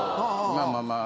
まあまあまあ。